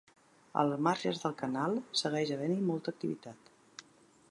Als marges del canal segueix havent-hi molta activitat.